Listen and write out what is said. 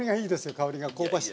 香りが香ばしい。